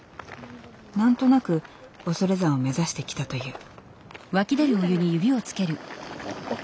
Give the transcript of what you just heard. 何となく恐山を目指して来たという。